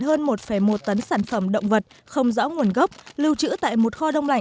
hơn một một tấn sản phẩm động vật không rõ nguồn gốc lưu trữ tại một kho đông lạnh